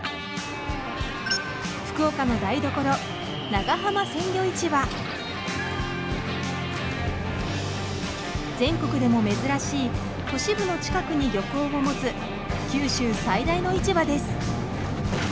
福岡の台所全国でも珍しい都市部の近くに漁港を持つ九州最大の市場です。